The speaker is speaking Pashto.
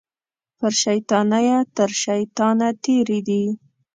په شیطانیه تر شیطانه تېرې دي